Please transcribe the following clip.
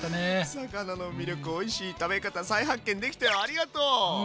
魚の魅力おいしい食べ方再発見できたよありがとう！